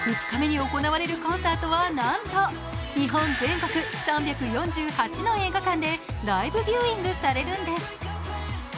２日目に行われるコンサートは、なんと日本全国３４８の映画館でライブビューイングされるんです。